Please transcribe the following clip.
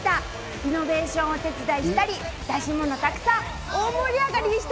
リノベーションをお手伝いしたり、出し物たくさん、大盛り上がりでした。